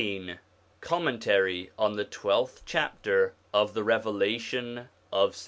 XIII COMMENTARY ON THE TWELFTH CHAPTER OF THE REVELATION OF ST.